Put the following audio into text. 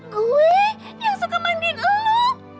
gue yang suka mandiin lo